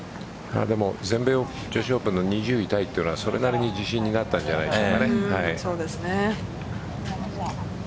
全米女子オープンの２０位タイというのは、それなりに自信になったんじゃないでしょうか。